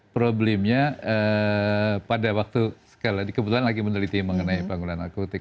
problemnya pada waktu sekali lagi kebetulan lagi meneliti mengenai pengguna narkotik